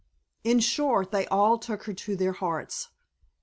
In short they all took her to their hearts.